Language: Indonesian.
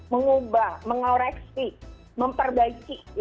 mengubah mengoreksi memperbaiki